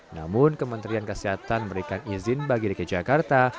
namun kementerian kesehatan memberikan izin bagi gki jakarta